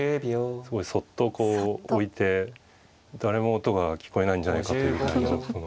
すごいそっとこう置いて誰も音が聞こえないんじゃないかというぐらいの。